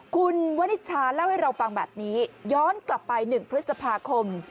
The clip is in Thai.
คุณวนิชาเล่าให้เราฟังแบบนี้ย้อนกลับไป๑พฤษภาคม